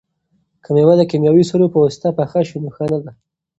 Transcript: که مېوه د کیمیاوي سرو په واسطه پخه شي نو ښه نه ده.